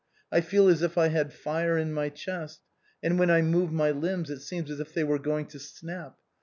I feel as if I had fire in my chest, and when I move my limbs it seems as if they were going to snap.